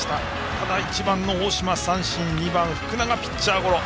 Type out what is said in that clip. ただ、１番の大島は三振２番の福永はピッチャーゴロ。